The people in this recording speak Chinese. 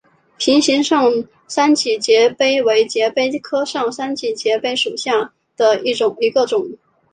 瓶形上三脊节蜱为节蜱科上三脊节蜱属下的一个种。